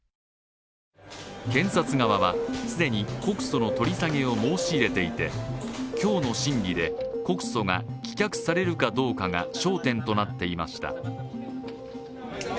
検察側は既に告訴の取り下げを申し入れていて今日の審理で、告訴が棄却されるかどうかが焦点となっていました。